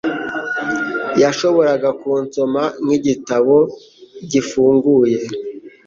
Yashoboraga kunsoma nkigitabo gifunguye.